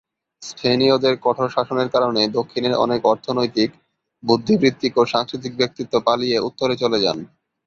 স্পেনীয়দের কঠোর শাসনের কারণে দক্ষিণের অনেক অর্থনৈতিক, বুদ্ধিবৃত্তিক ও সাংস্কৃতিক ব্যক্তিত্ব পালিয়ে উত্তরে চলে যান।